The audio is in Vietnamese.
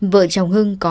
vợ chồng hưng có ba con